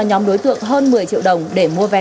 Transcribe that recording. nhóm đối tượng hơn một mươi triệu đồng để mua vé